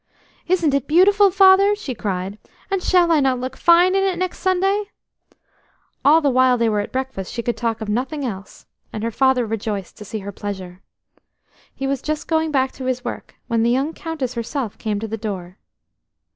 "Isn't it beautiful, Father," she cried, "and shall I not look fine in it next Sunday?" All the while they were at breakfast she could talk of nothing else, and her father rejoiced to see her pleasure. He was just going back to his work when the young Countess herself came to the door.